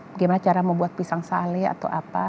bagaimana cara membuat pisang sale atau apa